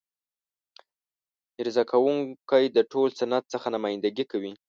عرضه کوونکی د ټول صنعت څخه نمایندګي کوي.